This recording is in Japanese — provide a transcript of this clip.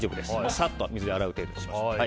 サッと水で洗う程度にしましょう。